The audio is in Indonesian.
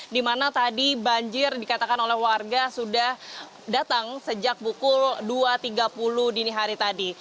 di mana tadi banjir dikatakan oleh warga sudah datang sejak pukul dua tiga puluh dini hari tadi